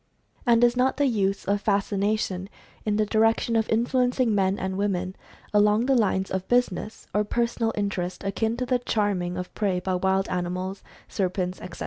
And is not the use of fascination in the direction of influencing men and women along the lines of business, or personal inter est, akin to the "charming" of prey by wild animals, serpents, etc.?